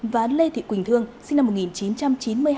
và lê thị quỳnh thương sinh năm một nghìn chín trăm chín mươi hai